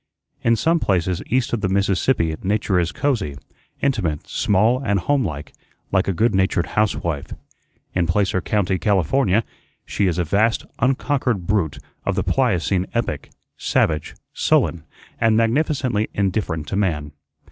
In some places east of the Mississippi nature is cosey, intimate, small, and homelike, like a good natured housewife. In Placer County, California, she is a vast, unconquered brute of the Pliocene epoch, savage, sullen, and magnificently indifferent to man.